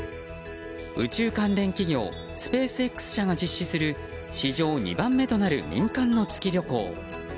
宇宙関連企業スペースＸ社が実施する史上２番目となる民間の月旅行。